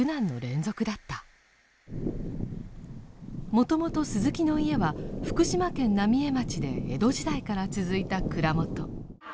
もともと鈴木の家は福島県浪江町で江戸時代から続いた蔵元。